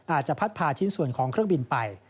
อาจจะพัดพาชิ้นส่วนของเครื่องบินไป